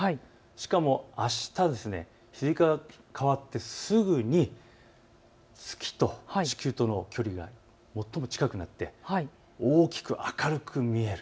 しかもあした、日付変わってすぐに月と地球の距離が最も近くなって大きく明るく見える。